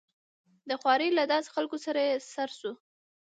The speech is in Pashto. د خوارې له داسې خلکو سره يې سر شو.